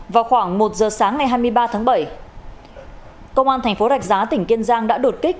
vào khoảng một giờ sáng ngày hai mươi ba tháng bảy công an thành phố rạch giá tỉnh kiên giang đã đột kích